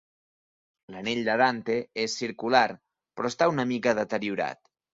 L'anell de Dante és circular, però està una mica deteriorat.